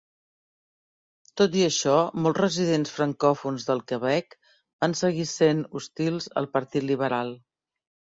Tot i això, molts residents francòfons del Quebec van seguir sent hostils al partit liberal.